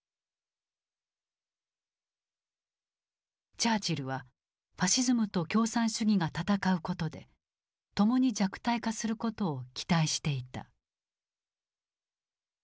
チャーチルはファシズムと共産主義が戦うことで共に弱体化することを期待していた。